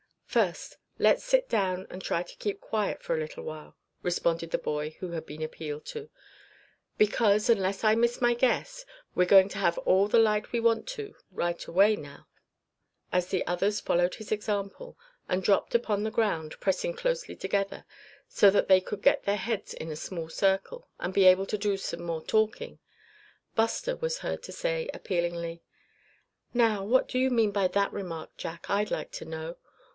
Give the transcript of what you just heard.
"First, let's sit down and try to keep quiet for a little while," responded the boy who had been appealed to, "because, unless I miss my guess, we're going to have all the light we want to right away now." As the others followed his example, and dropped upon the ground, pressing closely together, so that they could get their heads in a small circle, and be able to do some more talking, Buster was heard to say, appealingly: "Now, just what do you mean by that remark, Jack, I'd like to know?